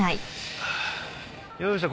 よいしょ。